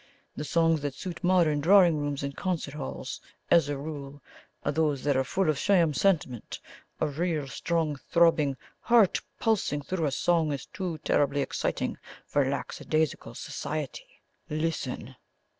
The songs that suit modern drawing rooms and concert halls, as a rule, are those that are full of sham sentiment a real, strong, throbbing HEART pulsing through a song is too terribly exciting for lackadaisical society. Listen!"